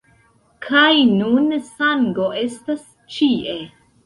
Kaj nun sango estas ĉie.